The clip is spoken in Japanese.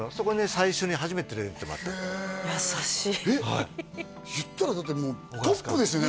最初に初めて連れていってもらったへえ優しい言ったらだってもうトップですよね？